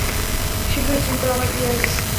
শীঘ্রই শৃঙ্খলা আবার ফিরে আসবে।